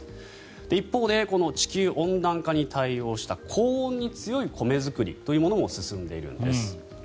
一方で、地球温暖化に対応した高温に強い米作りというのも進んでいるんです。